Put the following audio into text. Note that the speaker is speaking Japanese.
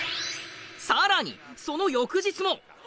更にその翌日も。